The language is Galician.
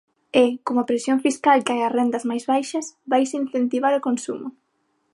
E, como a presión fiscal cae a rendas máis baixas, vaise incentivar o consumo.